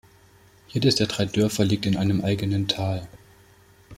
Jedes der drei Dörfer liegt in einem eigenen Tal.